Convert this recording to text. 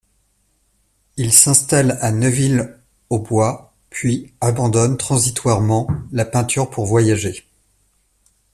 Il s'installe à Neuville-aux-Bois, puis abandonne transitoirement la peinture pour voyager.